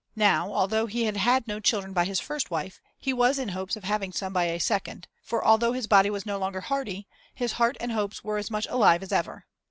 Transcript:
Now, although he had had no children by his first wife, he was in hopes of having some by a second; for, although his body was no longer hearty, his heart and hopes were as much alive as ever.